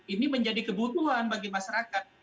ini menjadi kebutuhan bagi masyarakat